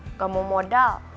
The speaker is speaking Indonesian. enggak mau modal